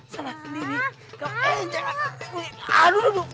saya baru saja kehilangan kekasih saya